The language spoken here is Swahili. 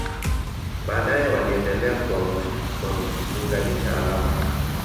Baadaye waliendelea kuunganisha alama.